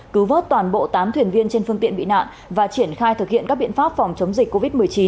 cứu vớt toàn bộ tám thuyền viên trên phương tiện bị nạn và triển khai thực hiện các biện pháp phòng chống dịch covid một mươi chín